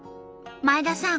前田さん